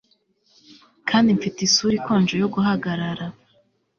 Kandi mfite isura ikonje yo guhagarara